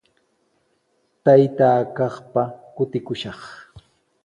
Taytaa kaqpa kutikushaq.